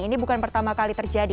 ini bukan pertama kali terjadi